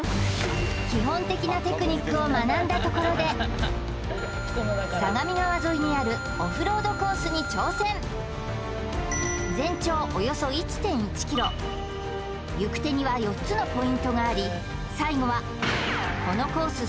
基本的なテクニックを学んだところで相模川沿いにあるオフロードコースに挑戦行く手には４つのポイントがあり最後はこのコース